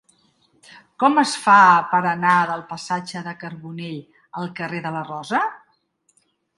Com es fa per anar del passatge de Carbonell al carrer de la Rosa?